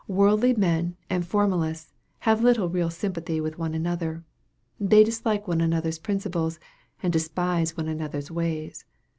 Worldly men and formalists have little real sympathy with one another. They dislike one another's principles, and despise one another's ways.